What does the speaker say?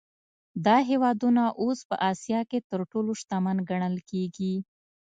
دا هېوادونه اوس په اسیا کې تر ټولو شتمن ګڼل کېږي.